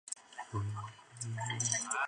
周孝王封大骆之子非子于秦邑。